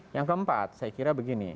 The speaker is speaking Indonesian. yang keempat saya kira begini